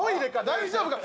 大丈夫か？